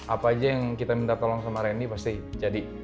apa aja yang kita minta tolong sama randy pasti jadi